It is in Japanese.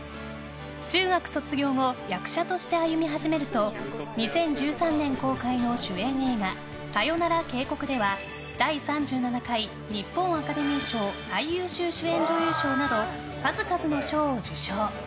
中学卒業後役者として歩み始めると２０１３年公開の主演映画「さよなら渓谷」では第３７回日本アカデミー賞最優秀主演女優賞など数々の賞を受賞！